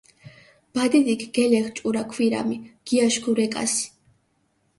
ბადიდიქ გელეღჷ ჭურა ქვირამი, გიაშქუ რეკას.